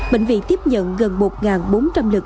bệnh viện tiếp nhận gần một bốn trăm linh lực